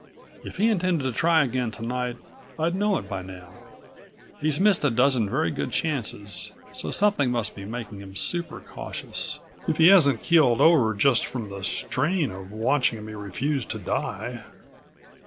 If he intended to try again tonight I'd know by now. He's missed a dozen very good chances, so something must be making him super cautious, if he hasn't keeled over just from the strain of watching me refuse to die.